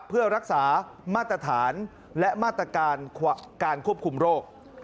เพื่อรักษามาตรฐานและมาตรการการควบคุมโรค